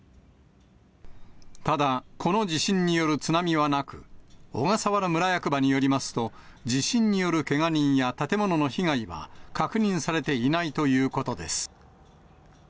ただ、この地震による津波はなく、小笠原村役場によりますと、地震によるけが人や、建物の被害は確認されていないということです。